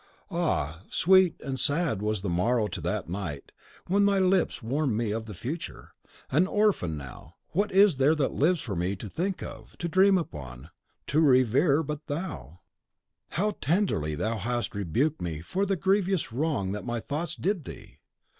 "Ah! sweet and sad was the morrow to that night, when thy lips warned me of the future. An orphan now, what is there that lives for me to think of, to dream upon, to revere, but thou! "How tenderly thou hast rebuked me for the grievous wrong that my thoughts did thee!